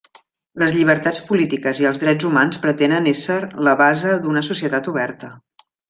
Les llibertats polítiques i els drets humans pretenen esser la base d'una societat oberta.